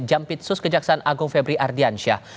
jam pitsus kejaksaan agung febri ardiansyah